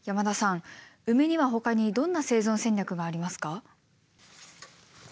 ウメにはほかにどんな生存戦略がありますか？